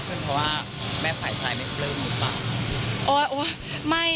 เป็นเพราะว่าแม่ฝ่ายชายไม่ปลื้มหรือเปล่า